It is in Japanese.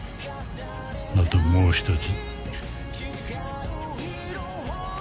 あともうひとつ。